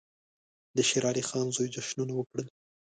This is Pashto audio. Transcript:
د شېر علي خان زوی جشنونه وکړل.